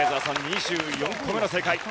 ２４個目の正解。